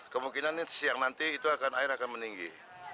kemungkinan siang nanti air akan meninggi